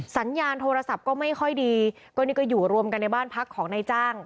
สัญญาณโทรศัพท์ก็ไม่ค่อยดีก็นี่ก็อยู่รวมกันในบ้านพักของนายจ้าง